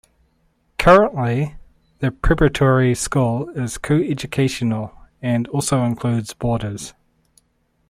Currently, the preparatory school is co-educational and also includes boarders.